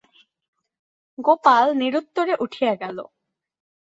গোপাল নিরুত্তরে উঠিয়া গেল।